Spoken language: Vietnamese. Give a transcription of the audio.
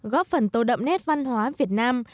góp phần tô đậm nét văn hóa việt nam